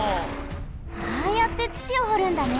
ああやってつちをほるんだね！